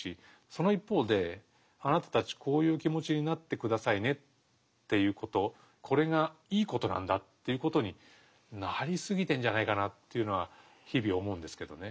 その一方で「あなたたちこういう気持ちになって下さいね」っていうことこれがいいことなんだっていうことになりすぎてんじゃないかなというのは日々思うんですけどね。